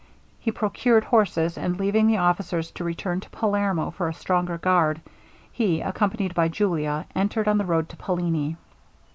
He procured horses; and leaving the officers to return to Palermo for a stronger guard, he, accompanied by Julia, entered on the road to Palini.